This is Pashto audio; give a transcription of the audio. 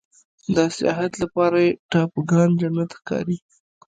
د سیاحت لپاره یې ټاپوګان جنت ښکاري.